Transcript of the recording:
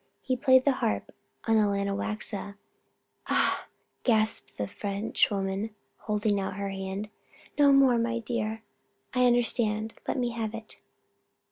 He played the harp on the Lanawaxa." "Ah!" gasped the French woman, holding out her hand. "No more, my dear! I understand. Let me have it."